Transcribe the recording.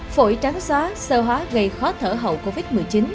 phổi tráng xóa sơ hóa gây khó thở hậu covid một mươi chín